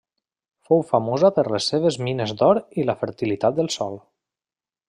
Fou famosa per les seves mines d'or i la fertilitat del sòl.